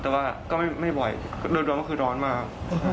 แต่ว่าก็ไม่บ่อยเดี๋ยวมันคือร้อนมาก